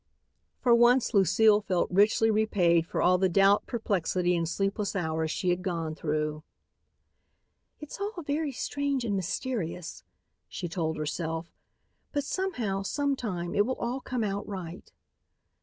For once Lucile felt richly repaid for all the doubt, perplexity and sleepless hours she had gone through. "It's all very strange and mysterious," she told herself, "but somehow, sometime, it will all come out right."